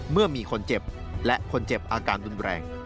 เมื่อมีคนเจ็บและคนเจ็บอาการรุนแรง